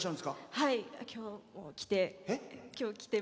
はい、今日、来て。